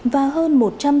và hơn một trăm tám mươi